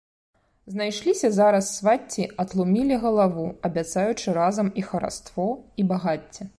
Знайшліся зараз свацці, атлумілі галаву, абяцаючы разам і хараство і багацце.